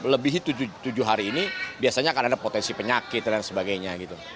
lebih tujuh hari ini biasanya akan ada potensi penyakit dan sebagainya gitu